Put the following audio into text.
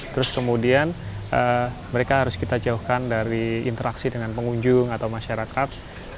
terus kemudian mereka harus kita jauhkan dari interaksi dengan pengunjung atau masyarakat